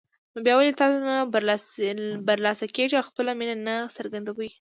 نو بيا ولې تاسو نه برلاسه کېږئ او خپله مينه نه څرګندوئ